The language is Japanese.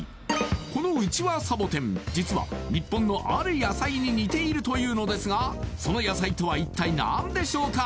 このウチワサボテン実は日本のある野菜に似ているというのですがその野菜とは一体何でしょうか？